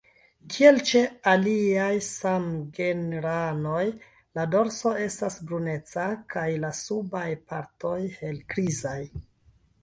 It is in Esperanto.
Kiel ĉe aliaj samgenranoj la dorso estas bruneca kaj la subaj partoj helgrizaj.